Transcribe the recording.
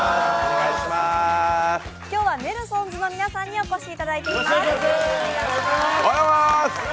今日はネルソンズの皆さんにお越しいただいています。